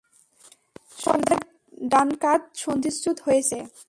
সুধাকরের ডান কাঁধ সন্ধিচ্যুত হয়েছে।